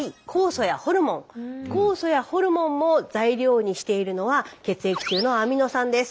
酵素やホルモンも材料にしているのは血液中のアミノ酸です。